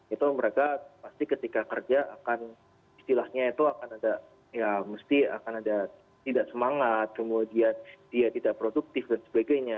itu mereka pasti ketika kerja akan istilahnya itu akan ada ya mesti akan ada tidak semangat kemudian dia tidak produktif dan sebagainya